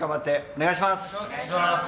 お願いします。